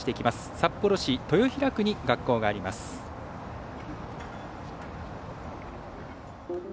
札幌市豊平区に学校があります。